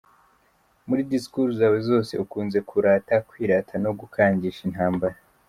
Muri disikuru zawe zose ukunze kurata, kwirata, no gukangisha intambara.